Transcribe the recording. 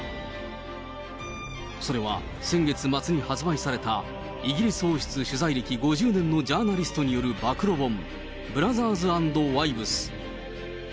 それは先月末に発売された、イギリス王室取材歴５０年のジャーナリストによる暴露本、ブラザーズ・アンド・ワイブズ。